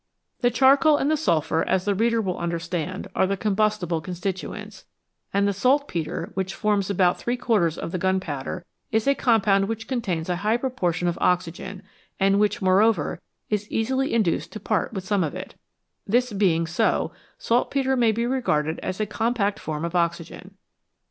The charcoal and the sulphur, as the reader will under stand, are the combustible constituents, and the saltpetre, which forms about three quarters of the gunpowder, is a compound which contains a high proportion of oxygen, and which, moreover, is easily induced to part with some of it ; this being so, saltpetre may be regarded as a com pact form of oxygen.